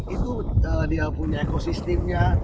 itu dia punya ekosistemnya